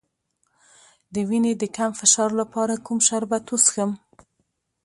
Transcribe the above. د وینې د کم فشار لپاره کوم شربت وڅښم؟